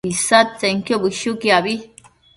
isadtsenquio bëshuquiabi